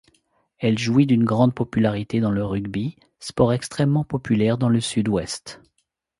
Elle jouit d'une grande popularité dans le rugby, sport extrêmement populaire dans le Sud-Ouest.